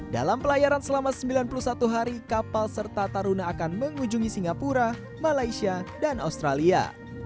dalam pelayaran selama sembilan puluh satu hari kapal serta taruna akan mengunjungi singapura malaysia dan australia